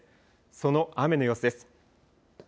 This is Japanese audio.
その雨の様子です。